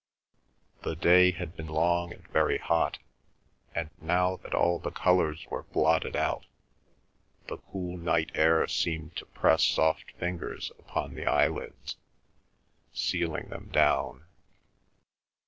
The day had been long and very hot, and now that all the colours were blotted out the cool night air seemed to press soft fingers upon the eyelids, sealing them down.